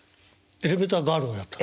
エレベーターガールをやったの？